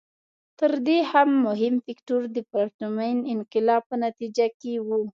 تر دې هم مهم فکټور د پرتمین انقلاب په نتیجه کې و.